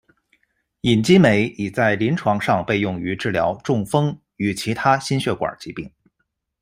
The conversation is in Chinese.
蚓激酶已在临床上被用于治疗中风与其他心血管疾病。